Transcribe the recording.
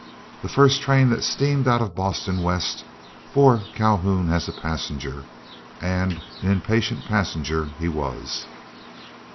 The first train that steamed out of Boston west bore Calhoun as a passenger, and an impatient passenger he was.